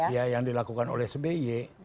ya yang dilakukan oleh sby